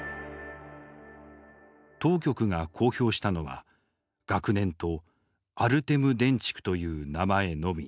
当局が公表したのは学年とアルテム・デンチクという名前のみ。